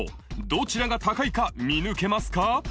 どちらが高いか見抜けますか？